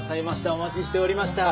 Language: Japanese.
お待ちしておりました。